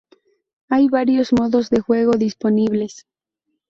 Hay varios modos de juego disponibles.